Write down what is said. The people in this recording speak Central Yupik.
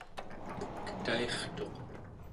pektairtuq